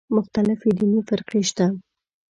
مختلفې دیني فرقې شته دي.